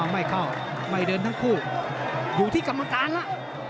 ไม่เข้าไม่เดินทั้งคู่อยู่ที่กรรมการแล้ว